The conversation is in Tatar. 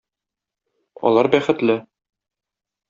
Алар бәхетле.